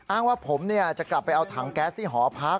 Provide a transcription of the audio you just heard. อ้างว่าผมจะกลับไปเอาถังแก๊สที่หอพัก